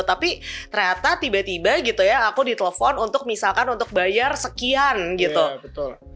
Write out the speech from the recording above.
tapi ternyata tiba tiba gitu ya aku ditelepon untuk misalkan untuk bayar sekian gitu